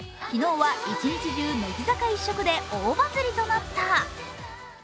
昨日は一日中、乃木坂一色で大バズりとなった。